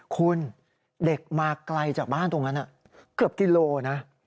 คุณเด็กมาไกลจากบ้านตรงนั้นเกือบกิโลนะ